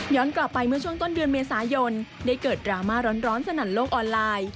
กลับไปเมื่อช่วงต้นเดือนเมษายนได้เกิดดราม่าร้อนสนั่นโลกออนไลน์